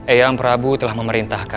eyang prabu telah memerintahkan